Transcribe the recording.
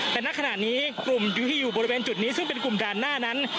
แต่ณขณะนี้กลุ่มอยู่ที่อยู่บริเวณจุดนี้ซึ่งเป็นกลุ่มด่านหน้านั้น